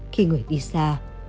khi người đi xa